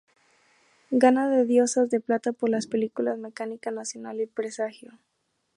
Gana dos Diosas de Plata por las películas, "Mecánica nacional" y "Presagio".